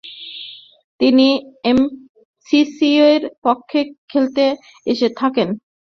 তিনি এমসিসি’র পক্ষে খেলতে থাকেন।